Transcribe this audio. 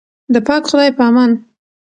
د پاک خدای په امان.